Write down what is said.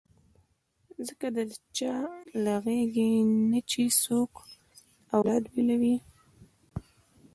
ځکه د چا له غېږې نه چې څوک اولاد بېلوي.